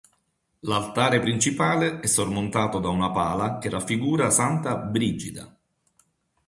L'altare principale è sormontato da una pala che raffigura Santa Brigida.